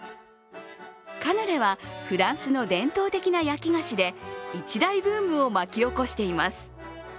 カヌレは、フランスの伝統的な焼き菓子で一大ブームを巻き起こしています。